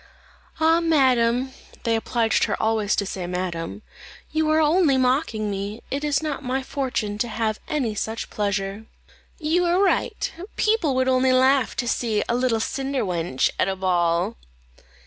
"Ah, madam" (they obliged her always to say madam), "you are only mocking me; it is not my fortune to have any such pleasure." "You are right; people would only laugh to see a little cinder wench at a ball."